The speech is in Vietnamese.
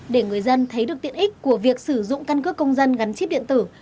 để người dân thấy được tiện ích của việc sử dụng căn cước công dân gắn chip điện tử